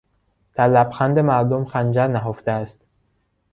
در لبخند مردم خنجر نهفته است.